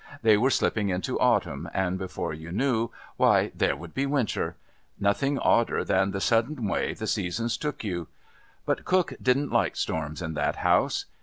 They were slipping into Autumn, and before you knew, why, there would be Winter! Nothing odder than the sudden way the Seasons took you! But Cook didn't like storms in that house.